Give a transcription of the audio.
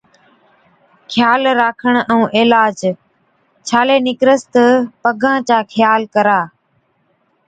خيال راکڻ ائُون عِلاج، ڇالي نِڪرس تہ پگان چا خيال ڪرا،